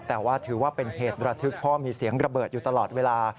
แต่ว่าถือว่าเป็นเหตุระทึกเพราะมีเสียงระเบิดอยู่ตลอดเวลา